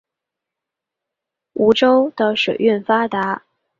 梧州的水运发达。